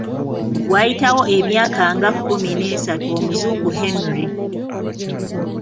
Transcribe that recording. Waayitawo emyaka nga kkumi n'esatu Omuzungu Henry.